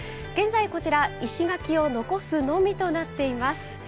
現在こちら石垣を残すのみとなっています。